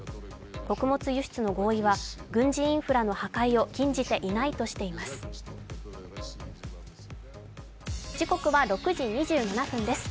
穀物輸出の合意は軍事インフラの破壊を禁じていないとしています。